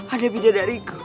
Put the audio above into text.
ada pindah dariku